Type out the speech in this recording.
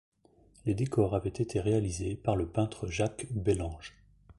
Les décors avaient été réalisés par le peintre Jacques Bellange.